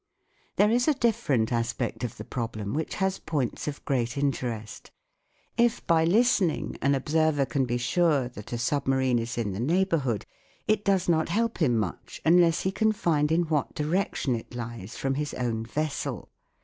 There is a different aspect of the problem which has points of great interest. If by listening an observer can be sure that a submarine is in the neighbourhood, it does not help him much unless he can find in what direction it lies from his own vessel.